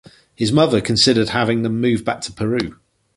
His mother considered having them move back to Peru.